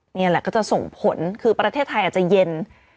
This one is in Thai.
นี่แหละก็จะส่งผลคือประเทศไทยอาจจะเย็น